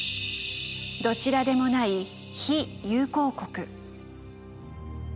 どちらでもない「非友好国」。